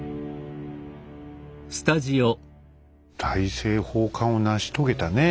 大政奉還を成し遂げたねえ